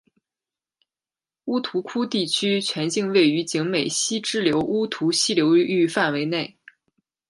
乌涂窟地区全境位于景美溪支流乌涂溪流域范围内。